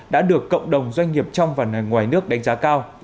đã được cộng đồng doanh nghiệp trong và ngoài nước đánh giá cao